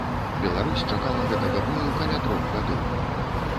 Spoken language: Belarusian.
Беларусь чакала гэтага бою каля трох гадоў.